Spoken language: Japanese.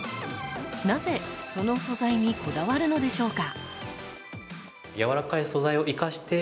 なぜ、その素材にこだわるのでしょうか。